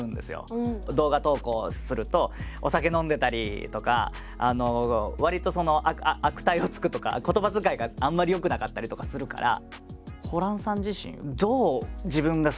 動画投稿するとお酒飲んでたりとかわりとその悪態をつくとか言葉遣いがあんまり良くなかったりとかするから。